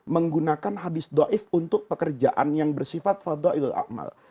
menggunakan hadis do'if untuk pekerjaan yang bersifat fadha ilal amal